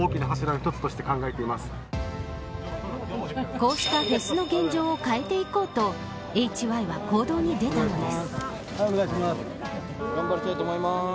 こうしたフェスの現状を変えていこうとＨＹは行動に出たんです。